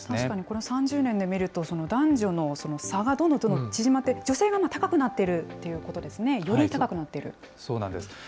確かにこの３０年で見ると、男女の差がどんどんどんどん縮まって、女性が高くなっているということですね、より高くなっていそうなんです。